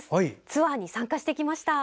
ツアーに参加してきました。